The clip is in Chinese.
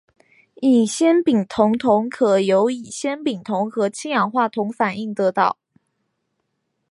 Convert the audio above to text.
乙酰丙酮铜可由乙酰丙酮和氢氧化铜反应得到。